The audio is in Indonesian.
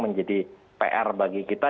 menjadi pr bagi kita